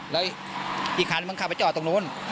แล้วอีกคันมันขับไปจอดตรงนู้น